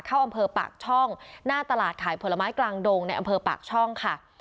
เข้าอำเภอปากช่องหน้าตลาดขายผลไม้กลางดงในอำเภอปากช่องค่ะ